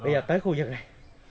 bây giờ tới khu vực này